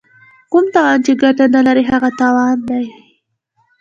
کوم تاوان چې ګټه نه لري هغه تاوان دی.